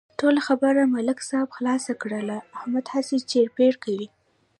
ټوله خبره ملک صاحب خلاصه کړله، احمد هسې چېړ پېړ کوي.